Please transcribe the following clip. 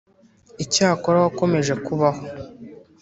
Icyakora wakomeje kubaho,